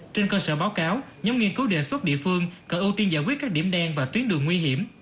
trên cơ sở báo cáo nhóm nghiên cứu đề xuất địa phương cần ưu tiên giải quyết các điểm đen và tuyến đường nguy hiểm